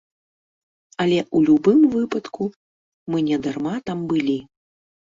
Але ў любым выпадку, мы не дарма там былі.